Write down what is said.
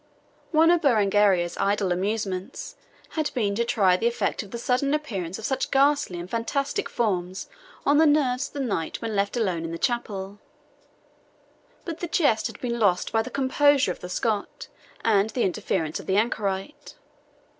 One of Berengaria's idle amusements had been to try the effect of the sudden appearance of such ghastly and fantastic forms on the nerves of the Knight when left alone in the chapel; but the jest had been lost by the composure of the Scot and the interference of the anchorite.